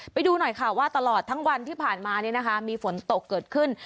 ไปดูหน่อยค่ะว่าตลอดทั้งวันที่ผ่านมามีฝนตกเกิดขึ้น